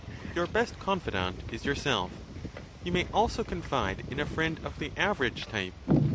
xxvi xsvii best confidant is yourself; you may also confide in a friend of the average type.